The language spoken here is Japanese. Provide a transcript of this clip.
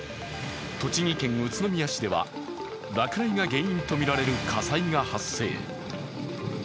栃木県宇都宮市では、落雷が原因とみられる火災が発生。